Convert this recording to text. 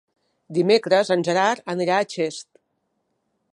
Dimecres en Gerard anirà a Xest.